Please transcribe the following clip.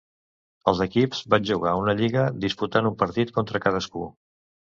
Els equips van jugar una lliga, disputant un partit contra cadascú.